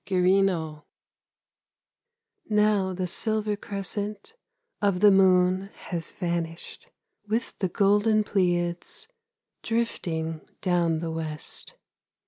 GYRINNO Now the silver crescent Of the moon has vanished, With the golden Pleiads Drifting down the west.